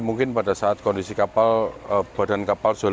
mungkin pada saat kondisi kapal badan kapal jalan jalan